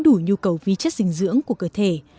đủ nhu cầu vi chất dinh dưỡng của cơ thể